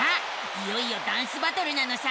いよいよダンスバトルなのさ！